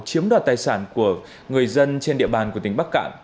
chiếm đoạt tài sản của người dân trên địa bàn của tỉnh bắc cạn